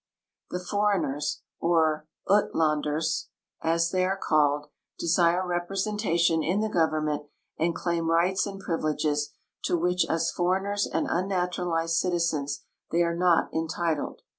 The foreigners, or Uitlanders, as they are called, desire rep resentation in the government and claim rights and privileges to which as foreigners and unnaturalized citizens they are not entitled.